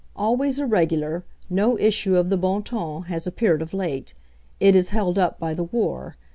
Always irregular, no issue of the Bon Ton has appeared of late. It is held up by the war.